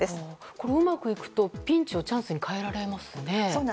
これうまくいくと、ピンチをチャンスに変えられますね。